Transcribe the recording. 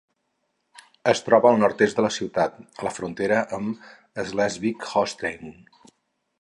Es troba al nord-est de la ciutat a la frontera amb Slesvig-Holstein.